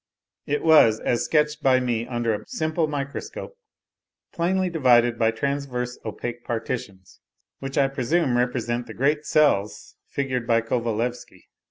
It was, as sketched by me under a simple microscope, plainly divided by transverse opaque partitions, which I presume represent the great cells figured by Kovalevsky.